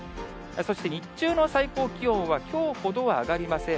そして、日中の最高気温は、きょうほどは上がりません。